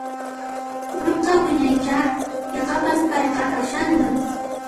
Nuqa wiñaicha yaqapas payqa kashanman